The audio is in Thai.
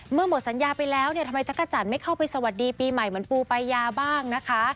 หมดสัญญาไปแล้วเนี่ยทำไมจักรจันทร์ไม่เข้าไปสวัสดีปีใหม่เหมือนปูปายาบ้างนะคะ